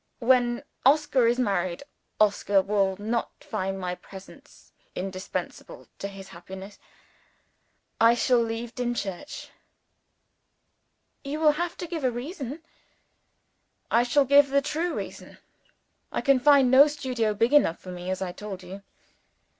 "When Oscar is married, Oscar will not find my presence indispensable to his happiness. I shall leave Dimchurch." "You will have to give a reason." "I shall give the true reason. I can find no studio here big enough for me as I have told you.